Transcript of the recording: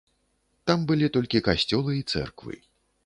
Там былі толькі касцёлы і цэрквы.